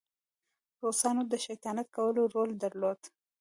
روسانو د شیطانت کولو رول درلود.